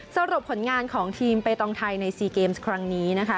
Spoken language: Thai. สรุปผลงานของทีมเปตองไทยใน๔เกมส์ครั้งนี้นะคะ